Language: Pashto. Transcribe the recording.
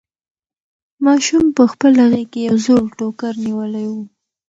ماشوم په خپله غېږ کې یو زوړ ټوکر نیولی و.